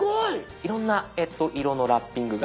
いろんな色のラッピングが。